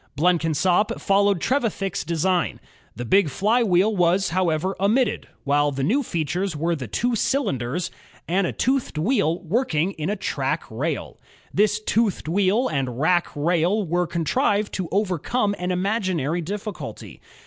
Blenkinsop followed Trevithick's design. The big flywheel was, however, omitted, while the new features were the two cylinders and a toothed wheel working in a rack rail. This toothed wheel and rack rail were contrived to overcome an imaginary difficulty.